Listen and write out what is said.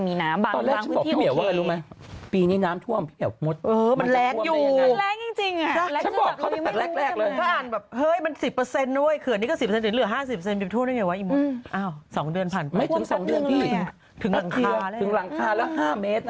ไม่ถึงสองเรื่องเลยถึงหลังคาแล้ว๕เมตร